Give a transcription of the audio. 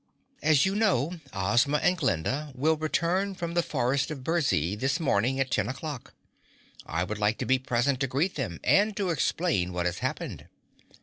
As you know, Ozma and Glinda will return from the Forest of Burzee this morning at ten o'clock. I would like to be present to greet them and to explain what has happened.